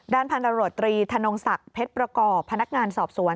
ด้านพันธ์รโรตรีถนนกศักดิ์เพชรประกอบพนักงานสอบสวน